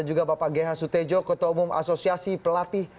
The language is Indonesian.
ada juga bapak g h sutejo ketua umum asosiasi pelatih